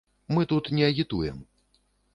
Мы тут не агітуем.